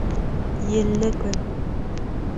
Елле көн